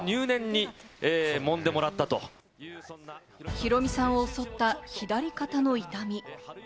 ヒロミさんを襲った左肩の痛み。